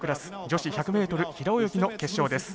女子１００ｍ平泳ぎの決勝です。